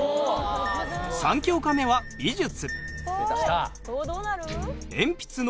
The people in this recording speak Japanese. ３教科目は美術。